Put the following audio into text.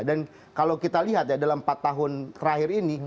dan kalau kita lihat ya dalam empat tahun terakhir ini